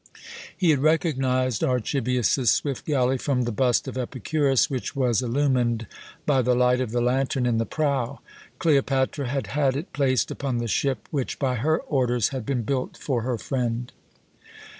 He had recognized Archibius's swift galley from the bust of Epicurus which was illumined by the light of the lantern in the prow. Cleopatra had had it placed upon the ship which, by her orders, had been built for her friend.